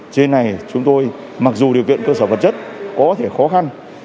trên này chúng tôi mặc dù điều kiện cơ sở vật chất có thể khó khăn